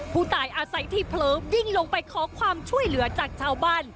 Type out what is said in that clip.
ผู้ตายอาศัยที่เผลอวิ่งลงไปขอความช่วยเหลือจากชาวบ้าน